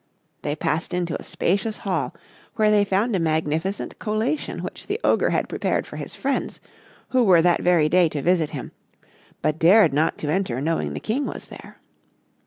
They passed into a spacious hall, where they found a magnificent collation which the Ogre had prepared for his friends, who were that very day to visit him, but dared not to enter knowing the King was there.